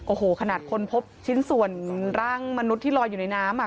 โอ้โหขนาดคนพบชิ้นส่วนร่างมนุษย์ที่ลอยอยู่ในน้ำอ่ะ